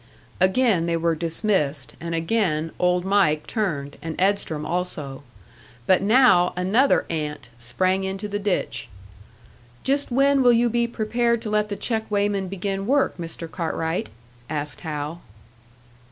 Again they were dismissed, and again Old Mike turned, and Edstrom also. But now another ant sprang into the ditch. "Just when will you be prepared to let the check weighman begin work, Mr. Cartwright?" asked Hal.